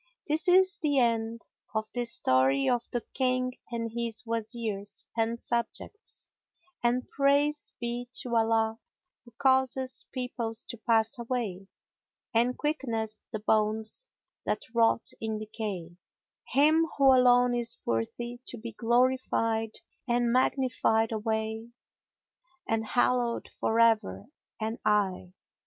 This is the end of the story of the King and his Wazirs and subjects, and praise be to Allah who causeth peoples to pass away, and quickeneth the bones that rot in decay; Him who alone is worthy to be glorified and magnified alway and hallowed for ever and aye!